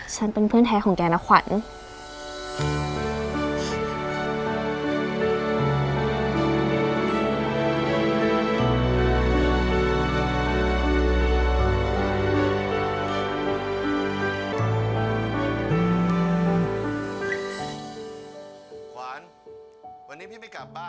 ฉันเป็นเพื่อนแท้ของแกนะขวัญ